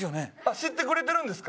知ってくれてるんですか？